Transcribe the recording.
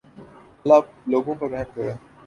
اللہ آپ لوگوں پر رحم کرے